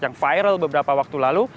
yang viral beberapa waktu lalu